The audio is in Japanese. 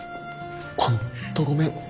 本当ごめん。